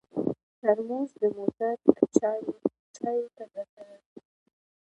ترموز د موټر چایو ته ګټور دی.